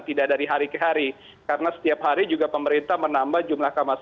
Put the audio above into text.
tidak dari hari ke hari karena setiap hari juga pemerintah menambah jumlah kamar